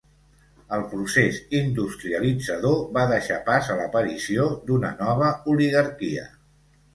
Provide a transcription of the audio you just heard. El procés industrialitzador va deixar pas a l'aparició d'una nova oligarquia.